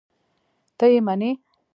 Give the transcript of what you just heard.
ته یې منې؟!